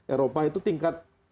eropa itu tingkat